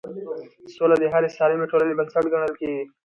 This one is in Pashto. سوله د هرې سالمې ټولنې بنسټ ګڼل کېږي